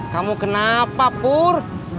kamu kenapa pur